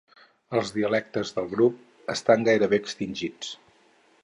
Els dialectes del grup estan gairebé extingits.